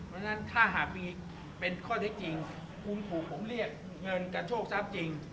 ดังนั้นถ้าหากมีอีกเป็นข้อเท็จจริงภูมิถูกผมเรียกเงินการโชคทราบจริง